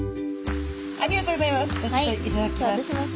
ありがとうございます。